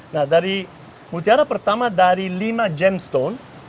nah dari mutiara pertama dari lima jamestone